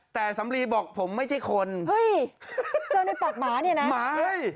แต่สำลีบอกผมไม่ใช่คนเฮ้ยเจ้าในปากหมาเนี่ยนะหมาเฮ้ย